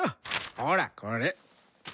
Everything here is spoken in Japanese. ほらこれ。